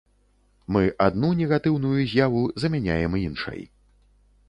Мы адну негатыўную з'яву замяняем іншай.